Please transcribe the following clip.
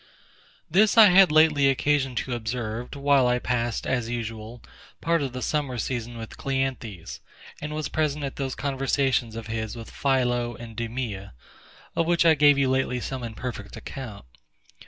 This I had lately occasion to observe, while I passed, as usual, part of the summer season with CLEANTHES, and was present at those conversations of his with PHILO and DEMEA, of which I gave you lately some imperfect account.